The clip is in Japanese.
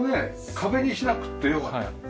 壁にしなくてよかったの？